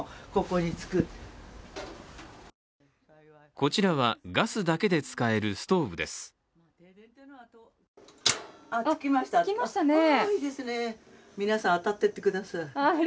こちらは、ガスだけで使えるストーブです。